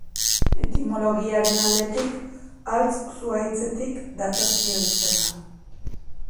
Etimologiaren aldetik, haltz zuhaitzetik datorkio izena.